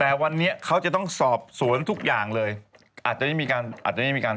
แต่วันนี้เขาจะต้องสอบศูนย์ทุกอย่างเลยอาจจะไม่มีการค้น